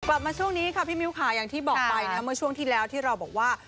กลับมาช่วงนี้ค่ะพี่มิ้วค่ะอย่างที่บอกไปนะเมื่อช่วงที่แล้วที่เราบอกว่า